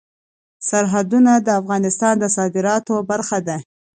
سرحدونه د افغانستان د صادراتو برخه ده.